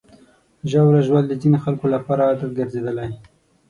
ژاوله ژوول د ځینو خلکو لپاره عادت ګرځېدلی.